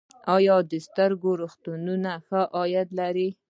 آیا د سترګو روغتونونه ښه عاید لري؟